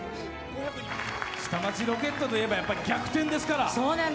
「下町ロケット」といえばやっぱり逆転ですから。